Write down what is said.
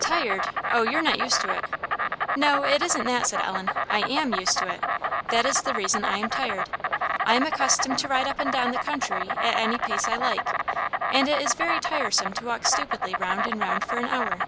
"Tired! Oh, you're not used to it." "No, it isn't that," said Ellen; "I am used to it that is the reason I am tired. I am accustomed to ride up and down the country at any pace I like; and it is very tiresome to walk stupidly round and round for an hour."